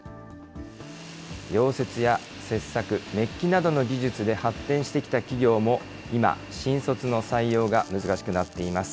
溶接や切削、メッキなどの技術で発展してきた企業も、今、新卒の採用が難しくなっています。